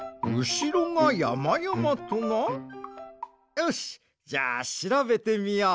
よしじゃあしらべてみよう。